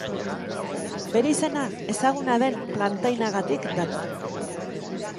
Bere izena ezaguna den plantainagatik dator.